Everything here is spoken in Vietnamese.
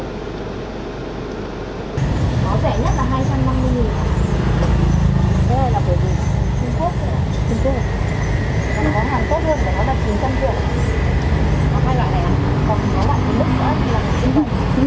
có rẻ nhất là hai trăm năm mươi nghìn đồng